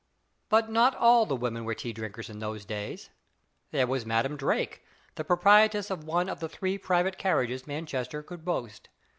But not all the women were tea drinkers in those days. There was Madam Drake, the proprietress of one of the three private carriages Manchester could boast.